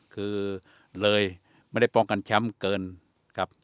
คือเลยไม่ได้ป้องกันแชมป์เกินครับ